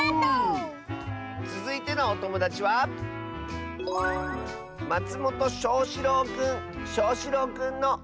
つづいてのおともだちはしょうしろうくんの。